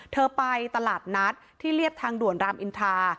เธอไปตลาดนัดที่เรียบทางด่วนรามอินทรา